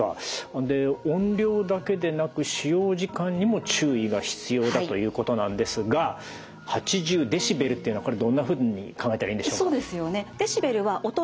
音量だけでなく使用時間にも注意が必要だということなんですが８０デシベルっていうのはこれどんなふうに考えたらいいんでしょうか？